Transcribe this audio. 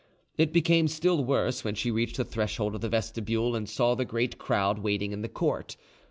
It became still worse when she reached the threshold of the vestibule and saw the great crowd waiting in the court.